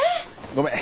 ごめん。